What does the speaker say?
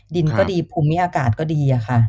ดินก็ดีภูมิอากาศก็ดีอะค่ะ